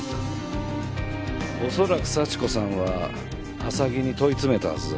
恐らく幸子さんは浅木に問い詰めたはずだ。